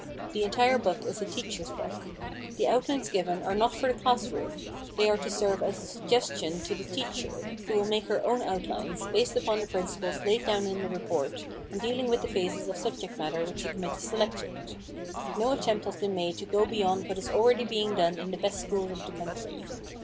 The entire book is a teacher's book. The outlines given are not for the class room; they are to serve as a suggestion to the teacher, who will make her own outlines, based upon the principles laid down in the report, and dealing with the phases of subject matter which the committee selected. No attempt has been made to go beyond what is already being done in the best schools of the country.